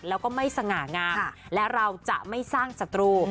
แล้วก็ไม่สง่างามและเราจะไม่สร้างศัตรู